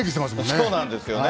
そうなんですよね。